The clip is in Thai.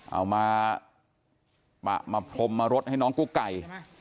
เอามาปะมาพรมมารดให้น้องกุ๊กไก่